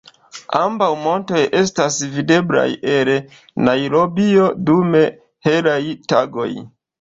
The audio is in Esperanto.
Ambaŭ montoj estas videblaj el Najrobio dum helaj tagoj.